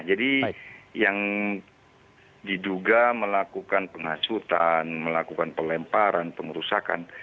jadi yang diduga melakukan pengasutan melakukan pelemparan pengerusakan